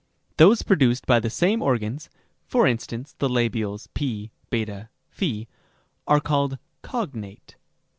Those produced by the same organs (for instance the labials a, 8, p) are called cognate.